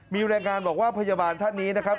มีรายงานบอกว่าพยาบาลท่านนี้นะครับ